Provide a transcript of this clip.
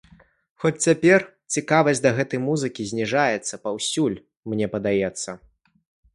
Хоць, цяпер цікавасць да гэтай музыкі зніжаецца паўсюль, мне падаецца.